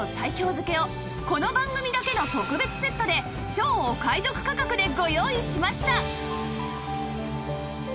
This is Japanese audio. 漬けをこの番組だけの特別セットで超お買い得価格でご用意しました！